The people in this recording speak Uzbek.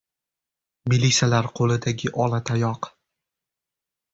— Melisalar qo‘lidagi olatayoq!